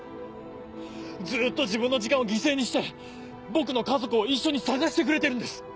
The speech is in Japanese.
ずっと自分の時間を犠牲にして僕の家族を一緒に捜してくれてるんです！